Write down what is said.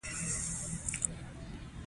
ځغاسته د سوله ییز ذهن لپاره ګټوره ده